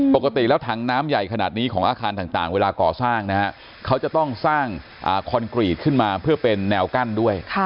ปกติแล้วถังน้ำใหญ่ขนาดนี้ของอาคารต่างเวลาก่อสร้างนะฮะเขาจะต้องสร้างคอนกรีตขึ้นมาเพื่อเป็นแนวกั้นด้วย